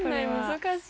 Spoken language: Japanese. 難しい。